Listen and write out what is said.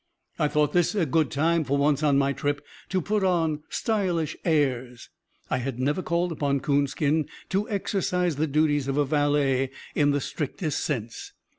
I thought this a good time, for once on my trip, to put on stylish "airs." I had never called upon Coonskin to exercise the duties of a valet, in the strictest sense.